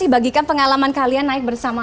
bagikan pengalaman kalian naik bersama